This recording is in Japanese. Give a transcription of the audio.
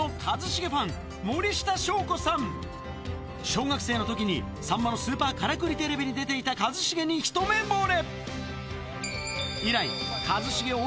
小学生の時に『さんまのスーパーからくりＴＶ』に出ていた一茂にひと目ぼれ以来一茂を